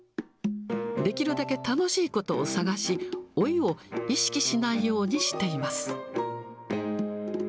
できるだけ楽しいことを探し、老いを意識しないようにしています。